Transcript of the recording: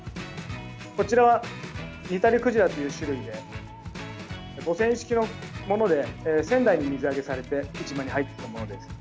こちらはニタリクジラという種類で母船式のもので仙台で水揚げされて市場に入ってきたものです。